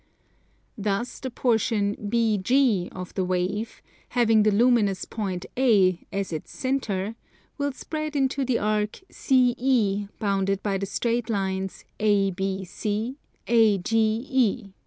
Thus the portion BG of the wave, having the luminous point A as its centre, will spread into the arc CE bounded by the straight lines ABC, AGE.